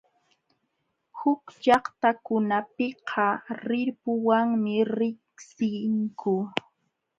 Huk llaqtakunapiqa rirpuwanmi riqsinku.